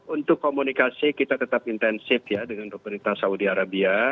untuk komunikasi kita tetap intensif ya dengan pemerintah saudi arabia